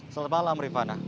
selamat malam rivana